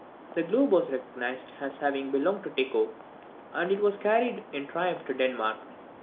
The globe was recognized as having belonged to Tycho, and it was carried in triumph to Denmark.